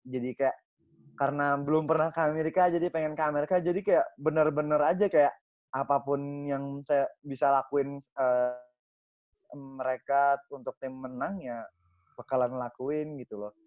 jadi kayak karena belum pernah ke amerika jadi pengen ke amerika jadi kayak bener bener aja kayak apapun yang saya bisa lakuin mereka untuk tim menang ya bakalan lakuin gitu loh